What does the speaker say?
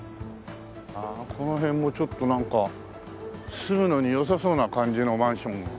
この辺もちょっとなんか住むのに良さそうな感じのマンションが。